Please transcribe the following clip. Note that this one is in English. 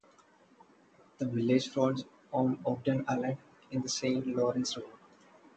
The village fronts on Ogden Island in the Saint Lawrence River.